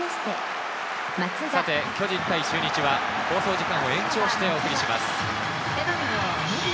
さて、巨人対中日は放送時間を延長してお送りします。